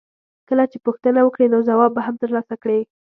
کله چې پوښتنه وکړې نو ځواب به هم ترلاسه کړې.